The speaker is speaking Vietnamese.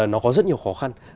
nó có rất nhiều khó khăn